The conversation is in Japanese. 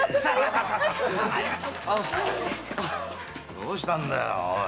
どうしたんだよおい。